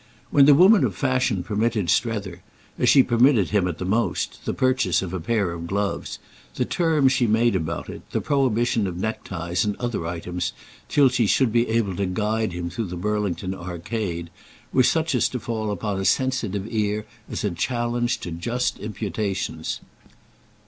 When the woman of fashion permitted Strether—as she permitted him at the most—the purchase of a pair of gloves, the terms she made about it, the prohibition of neckties and other items till she should be able to guide him through the Burlington Arcade, were such as to fall upon a sensitive ear as a challenge to just imputations.